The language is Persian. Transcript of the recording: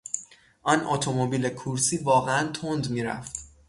آن اتومبیل کورسی واقعا تند میرفت.